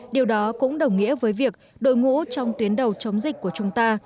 điều đó cũng đồng nghĩa với việc đội ngũ trong tuyến đầu chống dịch của chúng ta